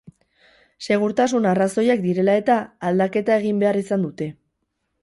Segurtasun arrazoiak direla eta, aldaketa egin behar izan dute.